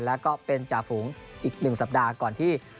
แล้วก็เป็นจ่าฝูงอีก๑สัปดาห์ก่อนที่